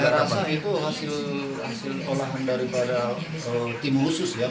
saya rasa itu hasil olahan daripada tim khusus ya